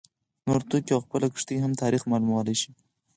نور توکي او خپله کښتۍ هم تاریخ معلومولای شي